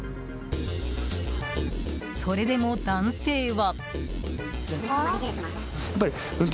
それでも男性は。